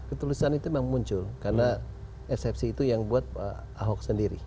ketulisan itu memang muncul karena eksepsi itu yang buat pak ahok sendiri